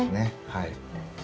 はい。